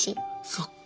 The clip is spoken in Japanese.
そっか。